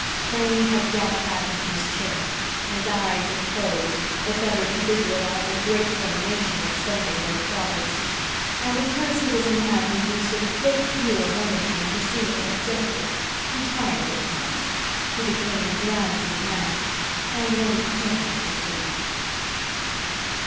Crane had dropped back into his chair. His eyes had closed, the better to visualize a grateful nation expending their plaudits. And because he was a man who used a great deal of energy in pursuing an objective, he tired at times. He became drowsy now.... ... And went gently to sleep.